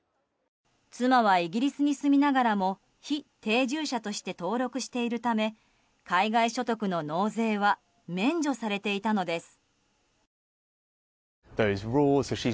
妻はイギリスに住みながらも非定住者として登録しているため海外所得の納税は免除されていたのです。